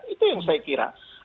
itu yang saya kira